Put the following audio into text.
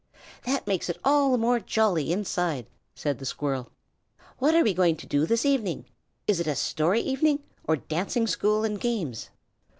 "That makes it all the more jolly inside!" said the squirrel. "What are we to do this evening? Is it a story evening, or dancing school and games?"